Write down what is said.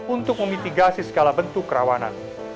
untuk memitigasi segala bentuk kerawanan